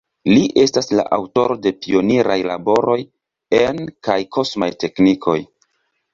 Li estas la aŭtoro de pioniraj laboroj en kaj kosmaj teknikoj.